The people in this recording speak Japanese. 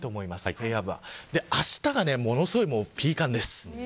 平野部はあしたがものすごいピーカンです。